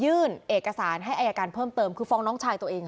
เอกสารให้อายการเพิ่มเติมคือฟ้องน้องชายตัวเอง